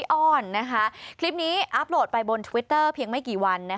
อ้อนนะคะคลิปนี้อัพโหลดไปบนทวิตเตอร์เพียงไม่กี่วัน